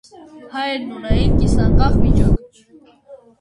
Հայերն ունեին կիսանկախ վիճակ։